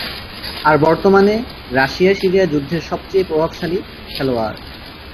আর বর্তমানে Russia Syria যুদ্ধের সবচেয়ে প্রভাবশালী খেলোয়াড়।